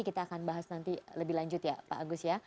kita akan bahas nanti lebih lanjut ya pak agus ya